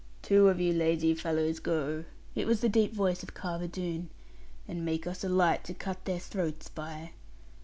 'Two of you lazy fellows go,' it was the deep voice of Carver Doone, 'and make us a light, to cut their throats by.